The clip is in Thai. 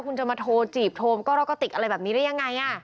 คุณจะมาโทรจีบโทมก็รกะติกอะไรแบบนี้ได้ยังไง